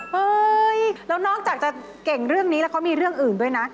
เฮ้ยแล้วนอกจากจะเก่งเรื่องนี้แล้วเขามีเรื่องอื่นด้วยนะ